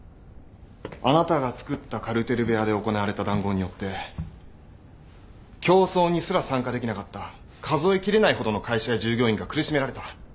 あなたがつくったカルテル部屋で行われた談合によって競争にすら参加できなかった数えきれないほどの会社や従業員が苦しめられた。